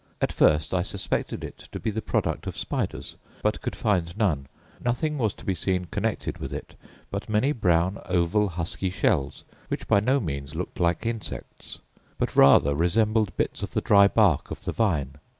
At first I suspected it to be the product of spiders, but could find none. Nothing was to be seen connected with it but many brown oval husky shells, which by no means looked like insects, but rather resembled bits of the dry bark of the vine.